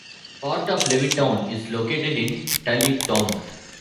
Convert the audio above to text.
Part of Levittown is located in Tullytown.